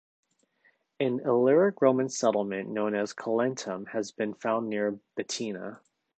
An Illyric-Roman settlement known as Colentum has been found near Betina.